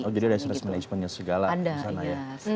oh jadi ada stres manajemennya segala di sana ya ada ya